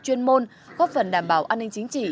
chuyên môn góp phần đảm bảo an ninh chính trị